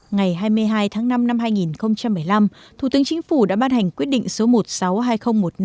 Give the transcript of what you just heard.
ngày hai mươi hai tháng năm năm hai nghìn một mươi năm thủ tướng chính phủ đã ban hành quyết định số một trăm sáu mươi hai nghìn một mươi năm